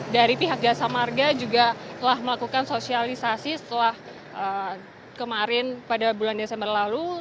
dari pihak jasa marga juga telah melakukan sosialisasi setelah kemarin pada bulan desember lalu